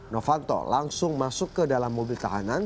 novanto langsung masuk ke dalam mobil tahanan